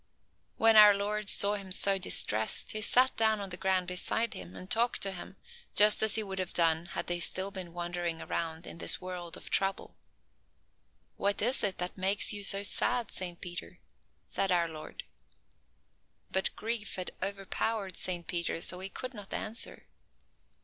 When our Lord saw him so distressed, He sat down on the ground beside him, and talked to him, just as He would have done had they still been wandering around in this world of trouble. "What is it that makes you so sad, Saint Peter?" said our Lord. But grief had overpowered Saint Peter, so that he could not answer.